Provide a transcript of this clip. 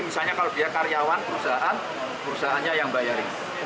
misalnya kalau dia karyawan perusahaan perusahaannya yang bayarin